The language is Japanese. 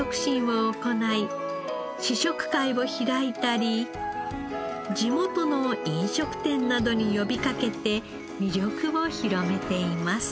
試食会を開いたり地元の飲食店などに呼びかけて魅力を広めています。